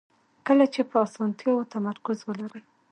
کله چې په اسانتیاوو تمرکز ولرئ.